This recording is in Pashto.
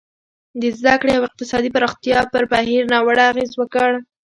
د زده کړې او اقتصادي پراختیا پر بهیر ناوړه اغېز وکړ.